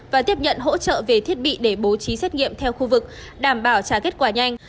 và tiếp nhận hỗ trợ về thiết bị để bố trí xét nghiệm theo khu vực đảm bảo trả kết quả nhanh